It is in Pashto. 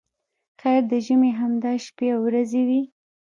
خیر د ژمي همدا شپې او ورځې وې.